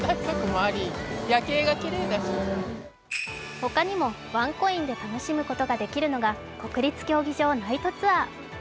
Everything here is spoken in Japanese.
他にも、ワンコインで楽しむことができるのが国立競技場ナイトツアー。